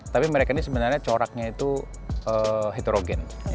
tapi mereka ini sebenarnya coraknya itu heterogen